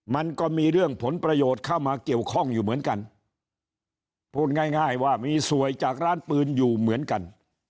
มันก็มีเรื่องผลประโยชน์เข้ามาเกี่ยวข้องอยู่เหมือนกันพูดง่ายง่ายว่ามีสวยจากร้านปืนอยู่เหมือนกัน